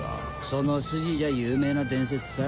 その筋じゃ有名な伝説さ。